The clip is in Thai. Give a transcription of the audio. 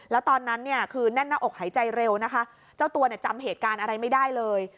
แล้วตอนนั้นคือแน่นอวกไหายใจเร็วนะคะของเจ้าตัวจำเหตุการณ์อะไรไม่ได้เลย